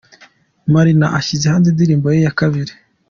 Marina ashyize hanze indirimbo ye ya kabiri.